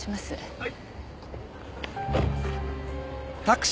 はい。